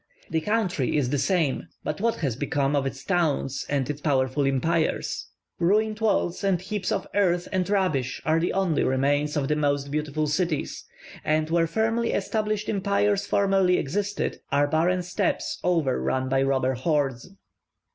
The country is the same; but what has become of its towns and its powerful empires? Ruined walls and heaps of earth and rubbish are the only remains of the most beautiful cities; and where firmly established empires formerly existed, are barren steppes overrun by robber hordes.